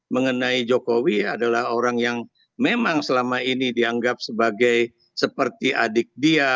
mengenai jokowi adalah orang yang memang selama ini dianggap sebagai seperti adik dia